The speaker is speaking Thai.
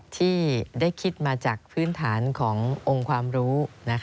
ที่ได้คิดมาจากพื้นฐานขององค์ความรู้